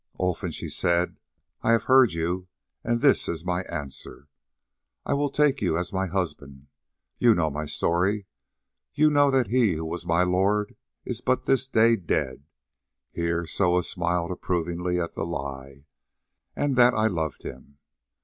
"Olfan," she said, "I have heard you, and this is my answer: I will take you as my husband. You know my story, you know that he who was my lord is but this day dead," here Soa smiled approvingly at the lie, "and that I loved him.